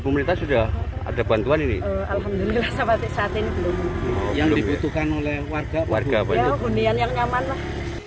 pemerintah sudah ada bantuan ini yang dibutuhkan oleh warga warga banyak undian yang nyaman lah